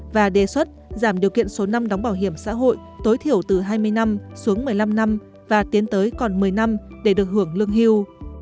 và đề xuất giảm điều kiện số năm đóng bảo hiểm xã hội tối thiểu từ hai mươi năm xuống một mươi năm năm và tiến tới còn một mươi năm để được hưởng lương hưu